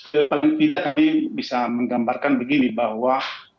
kita bisa menggambarkan begini bahwa